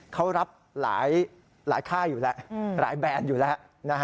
เขารับหลายค่ายอยู่แล้วหลายแบรนด์อยู่แล้ว